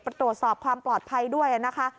ปรับตรวจสอบปลอดภัยด้วยนะคะ